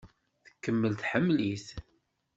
Tkemmel tḥemmel-it.